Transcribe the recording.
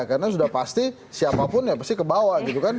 karena sudah pasti siapapun ya pasti kebawa gitu kan